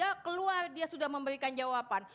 ketika keluar dia sudah memberikan jawaban